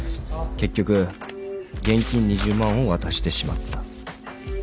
結局現金２０万を渡してしまった。